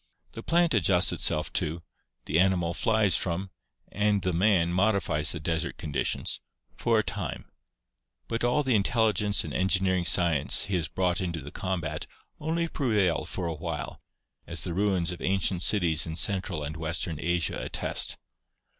The plant adjusts itself to, the animal flies from, and the man modifies the desert conditions — for a time — but all the intelligence and engineer ing science he has brought into the combat only prevail for a while, as the ruins of ancient cities in central and western Asia attest.